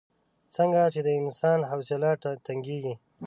څنګه چې د انسان حوصله تنګېږي.